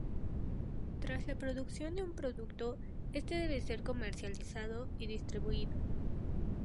Tras la producción de un producto, este debe ser comercializado y distribuido.